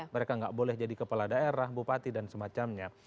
mereka nggak boleh jadi kepala daerah bupati dan semacamnya